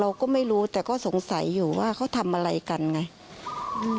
เราก็ไม่รู้แต่ก็สงสัยอยู่ว่าเขาทำอะไรกันไง